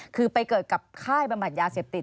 คือไปเกิดกับค่ายบำบัดยาเสพติด